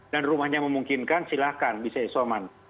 dan rumahnya memungkinkan silahkan bisa isoman